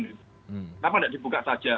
kenapa tidak dibuka saja